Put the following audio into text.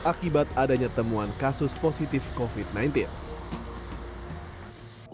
akibat adanya temuan kasus positif covid sembilan belas di negara surabaya dan juga di negara indonesia